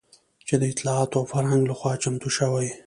چې د اطلاعاتو او فرهنګ لخوا چمتو شوى